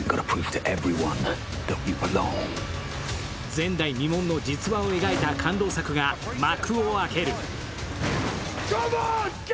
前代未聞の実話を描いた感動作が幕を開ける。